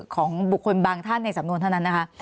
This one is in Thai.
ของบุคคลบางท่านในสำนวนเท่านั้นนะคะ